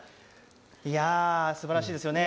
いやあ、すばらしいですよね。